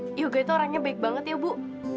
dan ternyata yoga itu orangnya baik banget ya bu